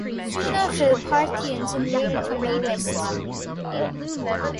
Soon after, the Parthians invaded from the west.